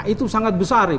itu sangat besar